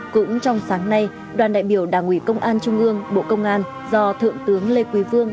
cũng trong sáng nay đoàn đại biểu đảng ủy công an trung ương bộ công an do thượng tướng lê quý vương